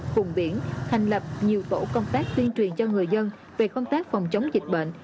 vùng biển thành lập nhiều tổ công tác tuyên truyền cho người dân về công tác phòng chống dịch bệnh